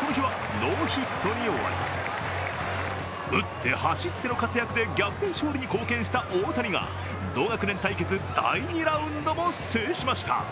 この日は、ノーヒットに終わります打って走っての活躍で逆転勝利に貢献した大谷が同学年対決、第２ラウンドも制しました。